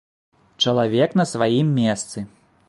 Чалавек на сваім месцы.